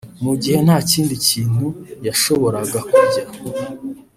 mu gihe nta kindi kintu yashoboraga kurya